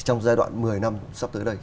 trong giai đoạn một mươi năm sắp tới đây